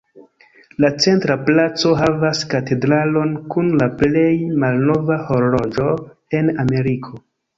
La centra placo havas katedralon kun la plej malnova horloĝo en Ameriko.